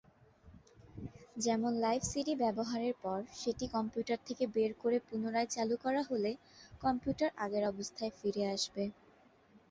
যেমন live CD ব্যবহারের পর সেটি কম্পিউটার থেকে বের করে পুনরায় চালু করা হলে কম্পিউটার আগের অবস্থায় ফিরে আসবে।